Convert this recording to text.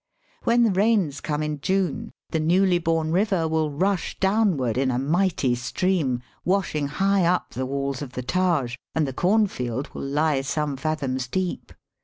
When the rains come in June the newly bom river will rush downward in a mighty stream, washing high up the walls of the Taj, and the cornfield will lie some fathoms deep.